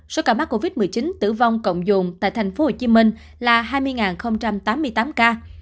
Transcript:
số ca mắc covid một mươi chín tử vong cộng dụng tại thành phố hồ chí minh là hai mươi tám mươi tám ca